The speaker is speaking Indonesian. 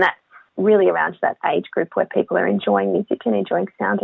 dan itu benar benar di sekitar grup umum di mana orang menikmati musik dan menikmati bunyi